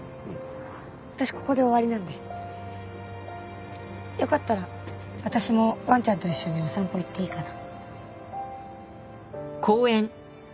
私ここで終わりなんでよかったら私もわんちゃんと一緒にお散歩行っていいかな？